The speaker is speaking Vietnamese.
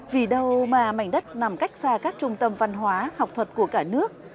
vì đâu mà mảnh đất nằm cách xa các trung tâm văn hóa học thuật của cả nước